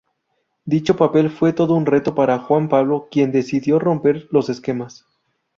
Dicho papel fue todo un reto para Juan Pablo, quien decidió romper los esquemas.